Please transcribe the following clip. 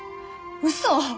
うそ！